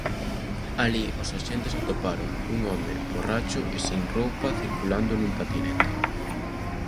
Alí os axentes atoparon un home borracho e sen roupa circulando nun patinete.